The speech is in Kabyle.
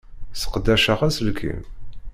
Sseqdaceɣ aselkim.